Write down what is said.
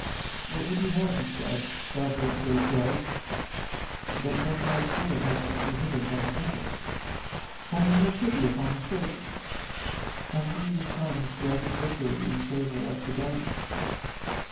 "What would you have," said he, "daughter of great Jove, that your proud spirit has sent you hither from Olympus? Have you no pity upon the Trojans, and would you incline the scales of victory in favour of the Danaans?